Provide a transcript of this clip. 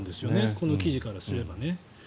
この記事からすれば。